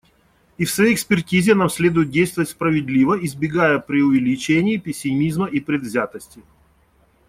И в своей экспертизе нам следует действовать справедливо, избегая преувеличений, пессимизма и предвзятости.